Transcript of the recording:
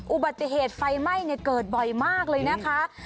อุบัติเหตุไฟไหม้เกิดบ่อยมากเลยนะคะ